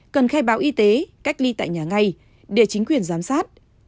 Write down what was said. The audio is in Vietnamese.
cần khai báo y tế cách ly tại nhà ngay để chính quyền giám sát